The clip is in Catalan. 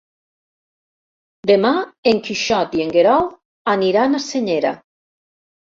Demà en Quixot i en Guerau aniran a Senyera.